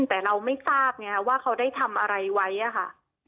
แต่เราไม่ทราบไงว่าเขาได้ทำอะไรไว้อะค่ะ